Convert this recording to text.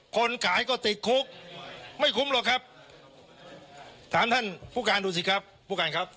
คนขายก็ติดคุกไม่คุ้มหรอกครับถามท่านผู้การดูสิครับผู้การครับ